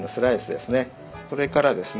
それからですね